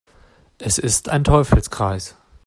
Es ist ein Teufelskreis.